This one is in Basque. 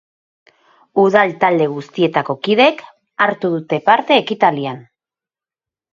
Udal talde guztietako kideek hartu dute parte ekitaldian.